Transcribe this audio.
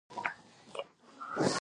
دښتې د افغانانو د ژوند طرز اغېزمنوي.